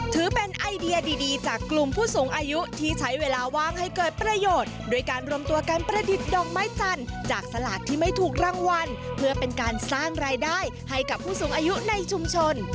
ถือเป็นไอเดียดีจากกลุ่มผู้สูงอายุที่ใช้เวลาว่างให้เกิดประโยชน์โดยการรวมตัวการประดิษฐ์ดอกไม้จันทร์จากสลากที่ไม่ถูกรางวัลเพื่อเป็นการสร้างรายได้ให้กับผู้สูงอายุในชุมชน